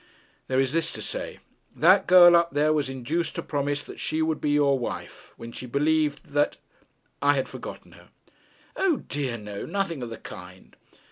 'There is this to say. That girl up there was induced to promise that she would be your wife, when she believed that I had forgotten her.' 'O dear, no; nothing of the kind.'